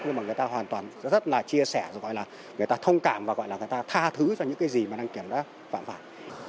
nhưng mà người ta hoàn toàn rất là chia sẻ người ta thông cảm và người ta tha thứ cho những cái gì mà ngành dân kiểm đã phạm phản